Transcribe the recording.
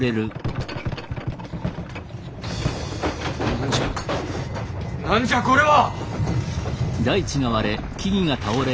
何じゃ何じゃこれは！